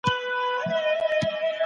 سالم ذهن ستړیا نه راوړي.